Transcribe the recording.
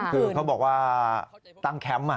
คือเขาบอกว่าตั้งแคมป์